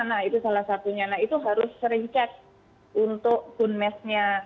nah itu salah satunya nah itu harus sering cek untuk boomeshnya